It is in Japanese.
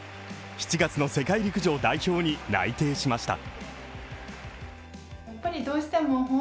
７月の世界陸上代表に内定しました。